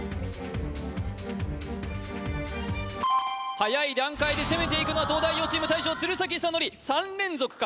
はやい段階で攻めていくのは東大王チーム大将鶴崎修功３連続か？